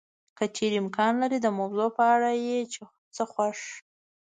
که چېرې امکان لري د موضوع په اړه یې چې څه خوښ